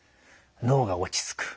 脳が落ち着く。